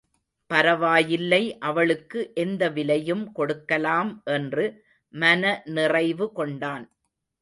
பரவாயில்லை அவளுக்கு எந்த விலையும் கொடுக்கலாம் என்று மன நிறைவு கொண்டான்.